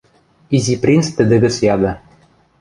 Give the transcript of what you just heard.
— Изи принц тӹдӹ гӹц яды.